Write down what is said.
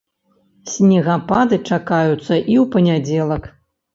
Снегапады чакаюцца і ў панядзелак.